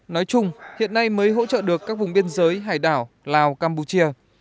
nói chung hiện nay mới hỗ trợ được các vùng biên giới hải đảo lào campuchia